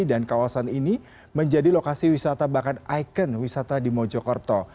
dan kawasan ini menjadi lokasi wisata bahkan ikon wisata di mojo kerto